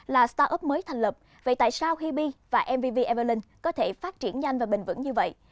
là start up mới thành lập vậy tại sao hibi và mvv evalon có thể phát triển nhanh và bình vẩn như vậy